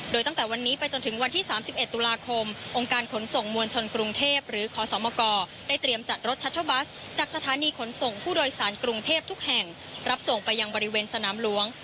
โดยตั้งแต่วันนี้ไปจนถึงวันที่๓๑ตุลาคม